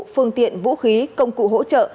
phương tiện vũ khí công cụ hỗ trợ